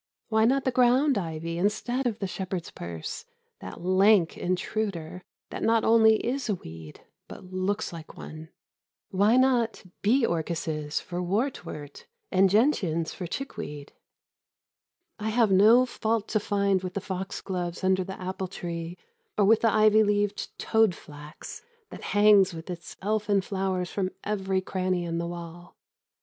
Why not the ground ivy instead of the shepherd's purse, that lank intruder that not only is a weed but looks like one? Why not bee orchises for wartwort, and gentians for chickweed? I have no fault to find with the foxgloves under the apple tree or with the ivy leaved toad flax that hangs with its elfin flowers from every cranny in the wall.